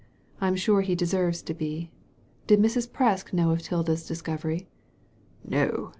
I'm sure he deserves to be. Did Mrs. Presk know of Tilda's discovery ?" "No!